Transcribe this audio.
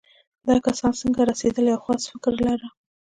دا کسان څنګه رسېدل یو خاص فکر لاره.